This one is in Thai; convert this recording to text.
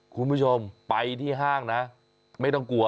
คุณผู้ชมไปที่ห้างนะไม่ต้องกลัว